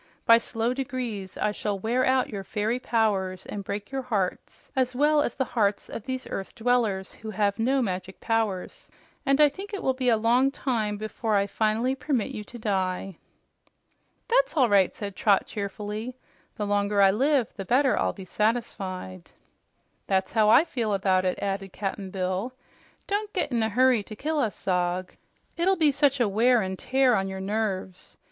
By slow degrees I shall wear out your fairy powers and break your hearts, as well as the hearts of these earth dwellers who have no magic powers, and I think it will be a long time before I finally permit you to die." "That's all right," said Trot cheerfully. "The longer you take, the better I'll be satisfied." "That's how I feel about it," added Cap'n Bill. "Don't get in a hurry to kill us Zog. It'll be such a wear an' tear on your nerves.